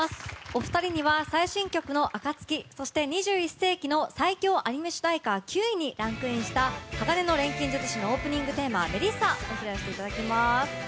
お二人には最新曲の「暁」そして２１世紀の最強アニメ主題歌９位にランクインした「鋼の錬金術師」のオープニングテーマ「メリッサ」披露していただきます。